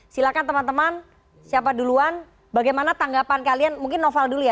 silakan teman teman siapa duluan bagaimana tanggapan kalian mungkin noval dulu ya